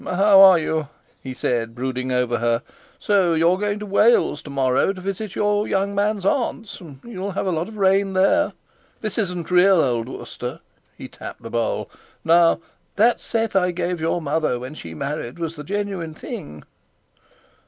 "How are you?" he said, brooding over her. "So you're going to Wales to morrow to visit your young man's aunts? You'll have a lot of rain there. This isn't real old Worcester." He tapped the bowl. "Now, that set I gave your mother when she married was the genuine thing."